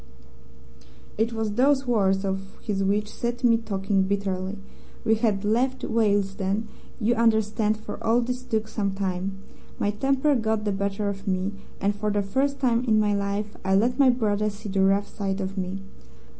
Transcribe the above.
"It was those words of his which set me talking bitterly. We had left Willesden, you understand, for all this took some time. My temper got the better of me, and for the first time in my life I let my brother see the rough side of me.